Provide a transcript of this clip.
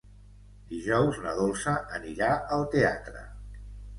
Dijous na Dolça anirà al teatre.